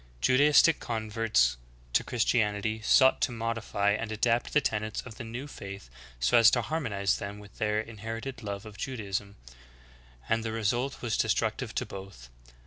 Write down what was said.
5. Judaistic converts to Christianity sought to modify and adapt the tenets of the new faith so as to harmonize them with their inherited love of Judaism, and the result was destructive to both.